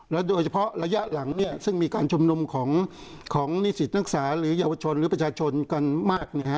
โดยเฉพาะระยะหลังซึ่งมีการชุมนุมของนิสิตนักศึกษาหรือเยาวชนหรือประชาชนกันมาก